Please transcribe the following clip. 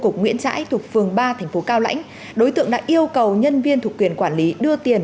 bưu cục nguyễn trãi thuộc phường ba tp cao lãnh đối tượng đã yêu cầu nhân viên thuộc quyền quản lý đưa tiền